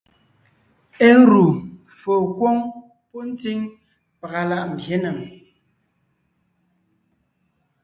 Éru fô kwóŋ pɔ́ ntsíŋ pàga láʼ mbyě nèm;